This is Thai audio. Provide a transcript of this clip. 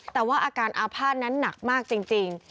แต่ว่าอาการอาภาษณ์นั้นหนักมากจริง